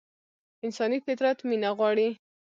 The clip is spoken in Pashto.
انساني فطرت مينه غواړي.